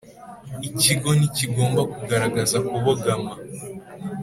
Ikigo ntikigomba kugaragaza kubogama